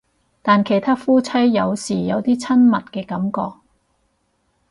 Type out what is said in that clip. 但其他夫妻有時有啲親密嘅感覺